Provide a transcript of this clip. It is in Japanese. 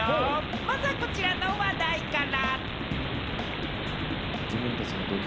まずはこちらの話題から。